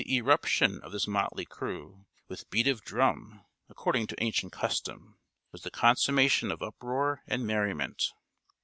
] The irruption of this motley crew, with beat of drum, according to ancient custom, was the consummation of uproar and merriment.